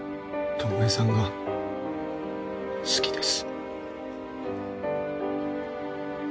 巴さんが好きです。